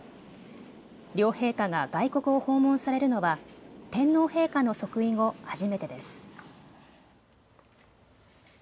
両陛下が外国を訪問されるのは天皇陛下の即位後初めてです。